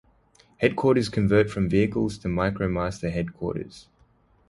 Headquarters convert from vehicles to Micromaster headquarters.